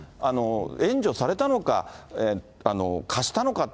援助されたのか、貸したのかって、